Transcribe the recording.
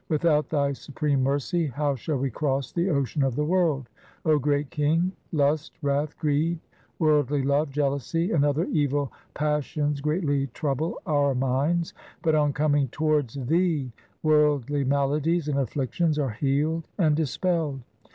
Without Thy supreme mercy how shall we cross the ocean of the world ? O great King, lust, wrath, greed, worldly love, jealousy, and other evil passions greatly trouble our minds, but on coming towards Thee worldly maladies and afflictions are healed and dis pelled.